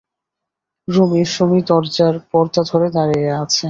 রুমী সুমী দরজার পর্দা ধরে দাঁড়িয়ে আছে।